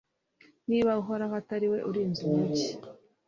niba uhoraho atari we urinze umugi